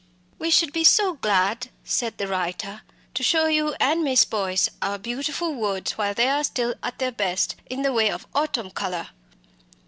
"We should be so glad," said the writer, "to show you and Miss Boyce our beautiful woods while they are still at their best, in the way of autumn colour."